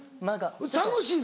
楽しいの？